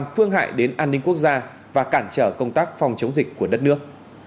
phương hại đến an ninh quốc gia và cản trở công tác phòng chống dịch của đất nước